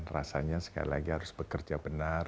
rasanya sekali lagi harus bekerja benar